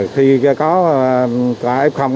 khi có f